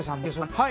はい。